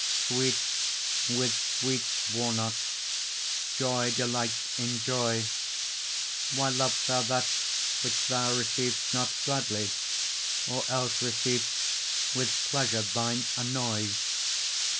Sweets with sweets war not, joy delights in joy: Why lov'st thou that which thou receiv'st not gladly, Or else receiv'st with pleasure thine annoy?